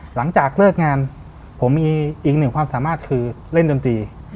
หลังจากเลิกงานผมมีอีกหนึ่งความสามารถคือเล่นดนตรี